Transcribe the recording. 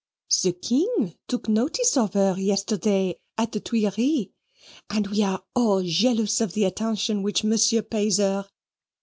The King took notice of her yesterday at the Tuileries, and we are all jealous of the attention which Monsieur pays her.